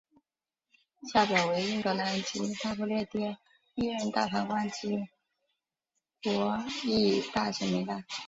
下表为英格兰及大不列颠历任大法官及国玺大臣名单。